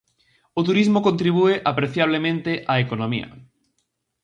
O turismo contribúe apreciablemente á economía.